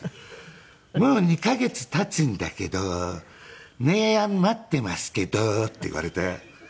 「もう２カ月経つんだけど姉やん待っていますけど」って言われて。